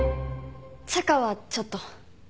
「チャカ」はちょっと。